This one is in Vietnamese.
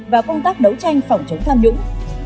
và công tác đấu tranh phòng chống tham nhũng